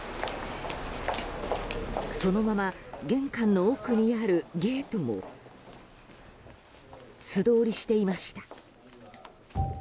そのまま玄関の奥にあるゲートも素通りしていました。